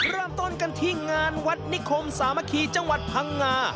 เริ่มต้นกันที่งานวัดนิคมสามัคคีจังหวัดพังงา